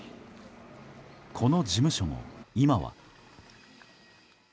この事務所も今は。